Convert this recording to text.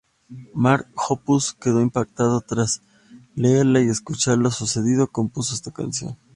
Mark Hoppus quedó impactado tras leerla y escuchar lo sucedido y compuso esta canción.